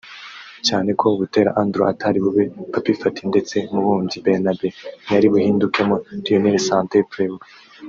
cyane ko Butera Andreew atari bube Papy Faty ndetse Mubumbyi Bernabin ntiyari buhindukemo Lionel Saint Preux